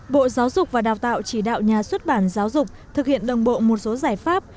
bộ giáo dục và đào tạo chỉ đạo nhà xuất bản giáo dục thực hiện đồng bộ một số giải pháp